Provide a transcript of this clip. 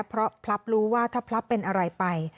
เพราะพลับรู้ว่าถ้าพลับเป็นอะไรไป